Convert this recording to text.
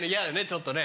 ちょっとね。